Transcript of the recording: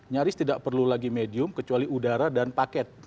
nyaris tidak perlu lagi medium kecuali udara dan paket